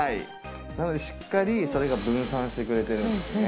なのでしっかりそれが分散してくれているんですね。